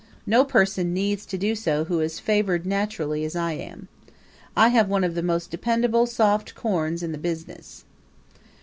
No person needs to do so who is favored naturally as I am. I have one of the most dependable soft corns in the business.